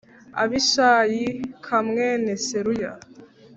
Abishayi k mwene Seruya